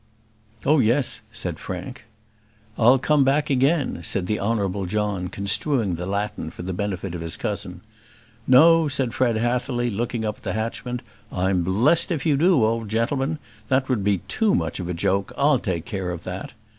"Oh, yes," said Frank. "'I'll come back again,'" said the Honourable John, construing the Latin for the benefit of his cousin. "'No,' said Fred Hatherly, looking up at the hatchment; 'I'm blessed if you do, old gentleman. That would be too much of a joke; I'll take care of that.'